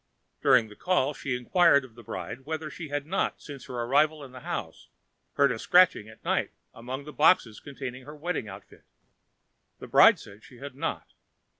During the call she inquired of the bride whether she had not, since her arrival in the house, heard a scratching at night among the boxes containing her wedding outfit. The bride said she had not.